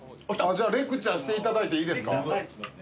レクチャーしていただいていいですか。